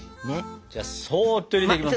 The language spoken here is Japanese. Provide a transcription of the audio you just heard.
じゃあそっと入れていきます。